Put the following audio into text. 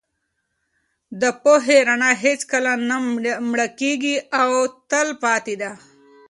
د پوهې رڼا هېڅکله نه مړکېږي او تل پاتې ده.